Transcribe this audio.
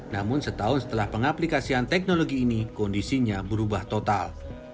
namun setahun setelah pengaplikasian teknologi ini kondisinya berubah total